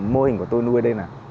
mô hình của tôi nuôi đây này